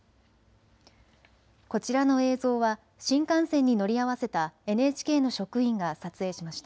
こちらの映像は新幹線に乗り合わせたＮＨＫの職員が撮影しました。